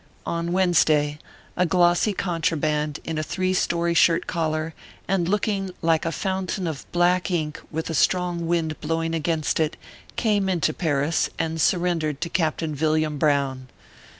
On Wednesday, a glossy contraband, in a three story shirt collar, and looking like a fountain of black ink with a strong wind blowing against it, came into Paris, and surrendered* to Captain Yilliam Brown.